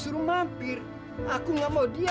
sama perempuan gatel ini ya